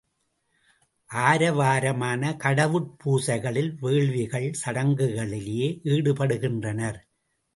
ஆரவாரமான கடவுட் பூசைகள், வேள்விகள், சடங்குகளிலேயே ஈடுபடுகின்றனர்.